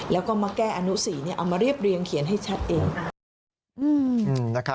แล้วก็มาแก้อนุสีเอามาเรียบเรียงเขียนให้ชัดเอง